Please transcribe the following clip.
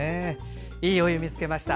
「＃いいお湯見つけました」